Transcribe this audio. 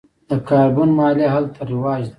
د کاربن مالیه هلته رواج ده.